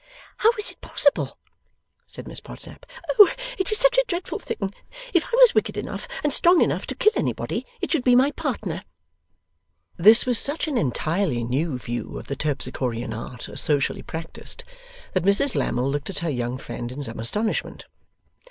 'How is it possible?' said Miss Podsnap. 'Oh it is such a dreadful thing! If I was wicked enough and strong enough to kill anybody, it should be my partner.' This was such an entirely new view of the Terpsichorean art as socially practised, that Mrs Lammle looked at her young friend in some astonishment.